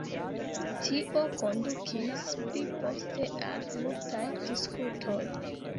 Tio kondukis pli poste al multaj diskutoj.